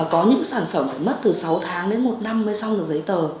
có những sản phẩm phải mất từ sáu tháng đến một năm mới xong được giấy tờ